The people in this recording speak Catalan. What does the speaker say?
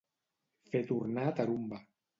Fer tornar tarumba.